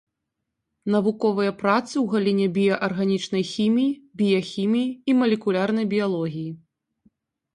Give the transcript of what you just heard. Навуковыя працы ў галіне біяарганічнай хіміі, біяхіміі і малекулярнай біялогіі.